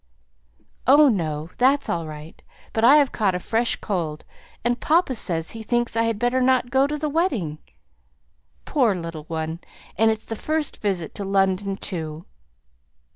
"Oh, no! that's all right. But I have caught a fresh cold, and papa says he thinks I had better not go to the wedding." "Poor little one! And it's the first visit to London too!"